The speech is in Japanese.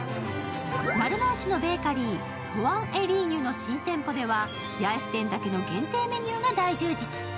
丸の内のベーカリー、ポワン・エ・リーニュの新店舗では八重洲店だけの限定メニューが大充実。